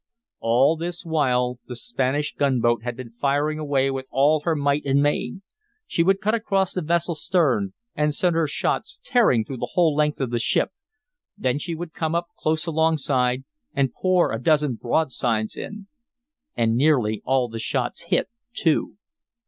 All this while the Spanish gunboat had been firing away with all her might and main. She would cut across the vessel's stern, and send her shots tearing through the whole length of the ship; then she would come up close alongside and pour a dozen broadsides in. And nearly all the shots hit, too.